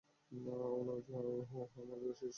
অনুযা রাও আমল যোশির সাথে কাজ করবে না।